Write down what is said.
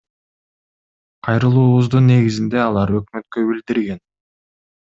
Кайрылуубуздун негизинде алар Өкмөткө билдирген.